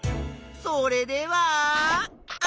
それでは！